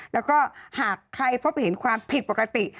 แล้วก็หากใครพบเห็นความผิดปกติ